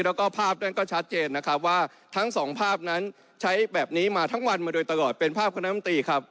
แล้วก็ภาพนั้นก็ชัดเจนนะครับว่าทั้งสองภาพนั้นใช้แบบนี้มาทั้งวันมาโดยตลอดเป็นภาพคณะมนตรีครับ